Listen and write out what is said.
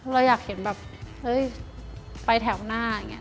เราอยากเห็นแบบไปแถวหน้า